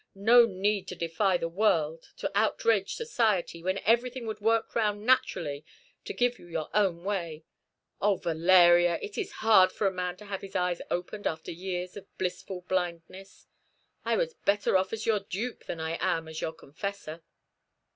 No need to defy the world, to outrage society, when everything would work round naturally to give you your own way. O Valeria, it is hard for a man to have his eyes opened after years of blissful blindness! I was better off as your dupe than I am as your confessor."